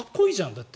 だって。